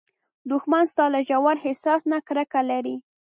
دښمن ستا له ژور احساس نه کرکه لري